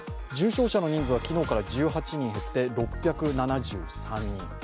重症者の人数は昨日から１８人減って６７３人。